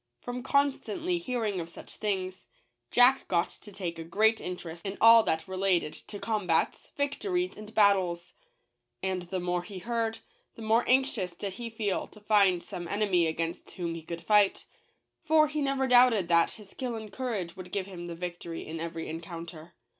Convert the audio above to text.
From constantly hearing of such things, Jack got to take a great interest in all that related to combats, victories, and battles. And the more he heard, the more anxious did he feel to find some enemy against whom he could fight ; for he never doubted that his skill and courage would give him the victory in every encounter.